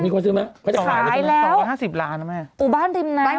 มีคนซื้อไหมคะหาอยู่ที่นี่๒คน๕๐ล้านบาทแล้วแม่ขายแล้ว